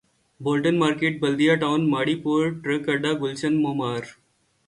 Bolton market Baldia town Mauripur truck اڈہ گلشن معمار